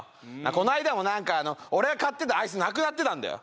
この間も何か俺が買ってたアイスなくなってたんだよ